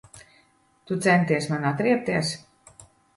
Tu centies man atriebties.